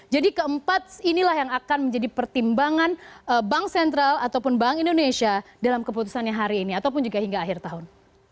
jadi keempat inilah yang akan menjadi pertimbangan bank sentral ataupun bank indonesia dalam keputusannya hari ini ataupun juga hingga akhir tahun